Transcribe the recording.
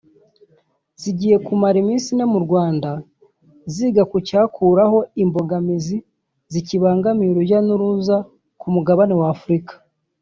zigiye kumara iminsi ine mu Rwanda ziga ku cyakuraho imbogamizi zikibangamiye urujya n’uruza ku mugabane wa Afurika